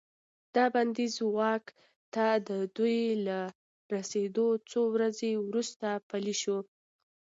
دا بندیز واک ته د دوی له رسیدو څو ورځې وروسته پلی شو.